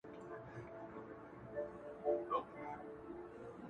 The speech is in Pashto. پر کلیو، پر ښارونو یې ځالۍ دي غوړولي.!